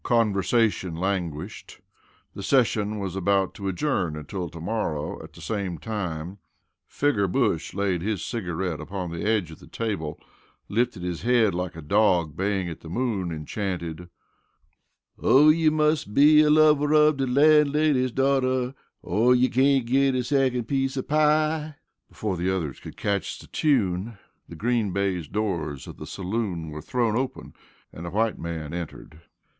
Conversation languished. The session was about to adjourn until to morrow at the same hour. Figger Bush laid his cigarette upon the edge of the table, lifted his head like a dog baying the moon, and chanted: "O you muss be a lover of de landlady's daughter Or you cain't git a secont piece of pie!" Before the other could catch the tune, the green baize doors of the saloon were thrown open and a white man entered.